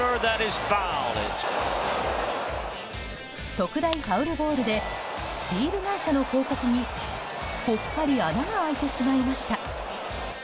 特大ファウルボールでビール会社の広告にぽっかり穴が開いてしまいました。